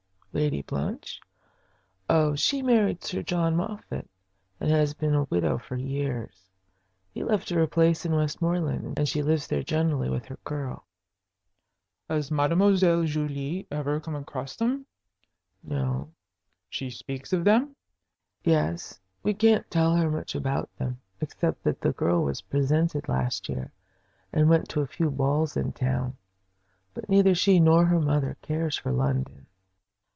"Lady Blanche? Oh, she married Sir John Moffatt, and has been a widow for years. He left her a place in Westmoreland, and she lives there generally with her girl." "Has Mademoiselle Julie ever come across them?" "No." "She speaks of them?" "Yes. We can't tell her much about them, except that the girl was presented last year, and went to a few balls in town. But neither she nor her mother cares for London."